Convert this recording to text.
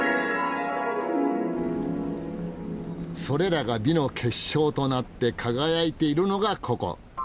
それらが美の結晶となって輝いているのがここ。